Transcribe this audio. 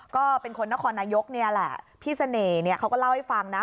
ก็เป็นคนนครนายกเนี่ยแหละพี่เสน่ห์เนี่ยเขาก็เล่าให้ฟังนะ